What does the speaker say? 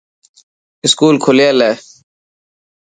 اسڪول کليل هي.